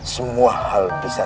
semua hal bisa saja